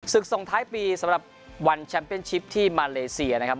ศึกส่งท้ายปีสำหรับวันที่มาเลเซียนะครับ